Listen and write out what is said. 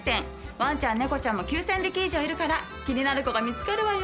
ワンちゃん猫ちゃんも９０００匹以上いるから気になる子が見つかるわよ！